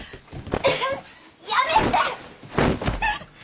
やめて！